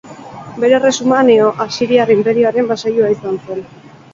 Bere erresuma Neo-asiriar inperioaren basailua izan zen.